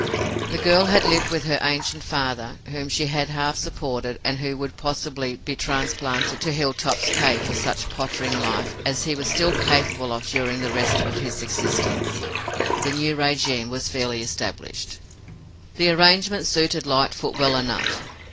The girl had lived with her ancient father, whom she had half supported and who would, possibly, be transplanted to Hilltop's cave for such pottering life as he was still capable of during the rest of his existence. The new régime was fairly established. The arrangement suited Lightfoot well enough.